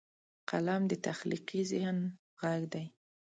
قلم د تخلیقي ذهن غږ دی